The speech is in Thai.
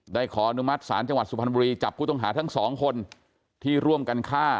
ขออนุมัติศาลจังหวัดสุพรรณบุรีจับผู้ต้องหาทั้งสองคนที่ร่วมกันฆ่า